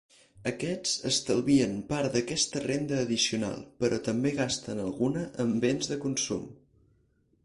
Aquests estalvien part d'aquesta renda addicional, però també gasten alguna en béns de consum.